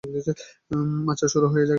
আচ্ছা, শুরু করা যাক এবার!